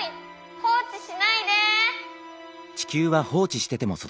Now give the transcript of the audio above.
放置しないで！